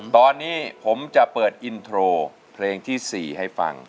ตอนนี้ผมจะเปิดอินโทรเพลงที่๔ให้ฟัง